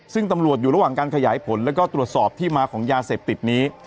ซึ่งตำรวจอยู่ระหว่างการขยายผลแล้วก็ตรวจสอบที่มาของยาเสพติดนี้